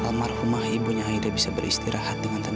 dan semoga saat ini almarhumah ibunya aida bisa beristirahat dengan ibu ini